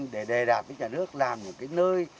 để đề đạt với nhà nước làm một cái nơi